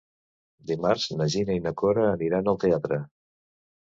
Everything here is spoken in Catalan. Dimarts na Gina i na Cora aniran al teatre.